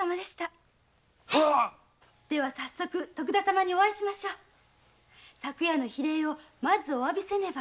では早速徳田様にお会いしましょう。昨夜の非礼をまずお詫びせねば。